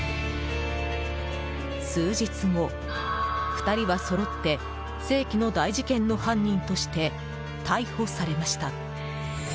数日後、２人はそろって世紀の大事件の犯人として逮捕されました。